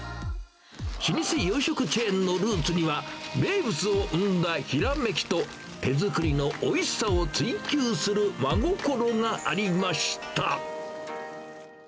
老舗洋食チェーンのルーツには、名物を生んだひらめきと、手作りのおいしさを追求する真心がありました。